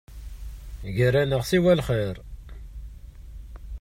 Gar-aneɣ siwa lxir.